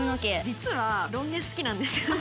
実はロン毛好きなんですよね。